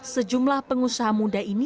sejumlah pengusaha muda ini